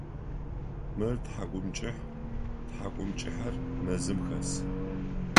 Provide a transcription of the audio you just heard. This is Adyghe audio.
Мыр тхьакӏумкӏыхь, тхьакӏумкӏыхьэр мэзым хэс.